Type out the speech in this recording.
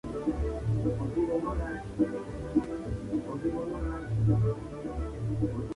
Guardo un grato recuerdo de Evreux.